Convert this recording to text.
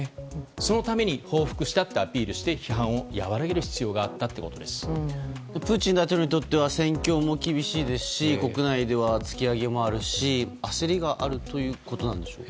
そのために報復したとアピールしてプーチン大統領にとっては戦況も厳しいですし国内では突き上げもあるし焦りがあるということでしょうか。